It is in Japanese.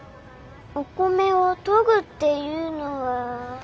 「お米をとぐ」っていうのは。